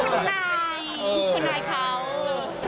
คุณตามคุณนายเขา